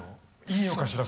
いいのかしら。